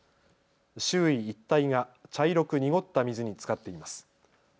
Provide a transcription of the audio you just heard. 周囲一帯が茶色く濁った水につかっています。